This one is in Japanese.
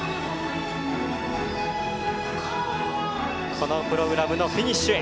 このプログラムのフィニッシュへ。